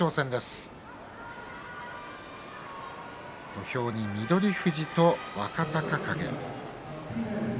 土俵に翠富士と若隆景。